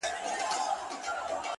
په دا منځ کي چا نیولی یو عسکر وو -